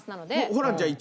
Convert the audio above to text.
ホランちゃん